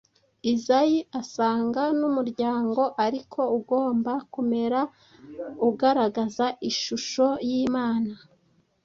Izayi asanga n‟umuryango ariko ugomba kumera ugaragaza ishusho y‟Imana.